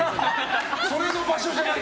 それの場所じゃない。